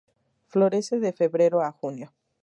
Florece de febrero a junio.